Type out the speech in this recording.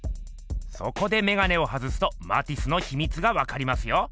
そこでメガネを外すとマティスのひみつがわかりますよ。